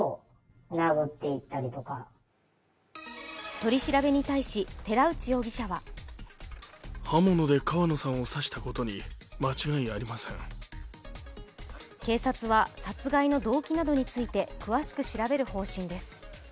取り調べに対し寺内容疑者は警察は、殺害の動機などについて詳しく調べる方針です。